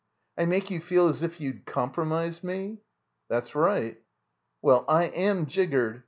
"I make you feel as if you'd compromised me?" "That's right." "Well, I am jiggered!